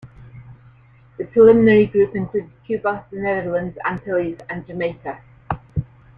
The preliminary group included Cuba, the Netherlands Antilles, and Jamaica.